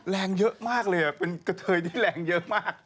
แรงเยอะมากเลยเป็นกระเทยที่แรงเยอะมาก